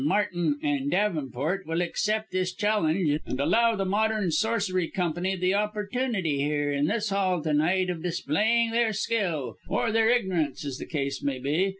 Martin and Davenport will accept this challenge, and allow the Modern Sorcery Company the opportunity here, in this hall to night, of displaying their skill or their ignorance, as the case may be.